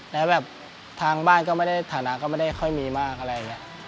แล้วแบบทางบ้านก็ไม่ได้ฐานะก็ไม่ได้ค่อยมีมากอะไรอย่างนี้